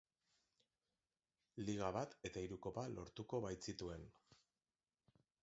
Liga bat eta hiru Kopa lortuko baitzituen.